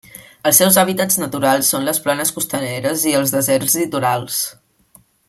Els seus hàbitats naturals són les planes costaneres i els deserts litorals.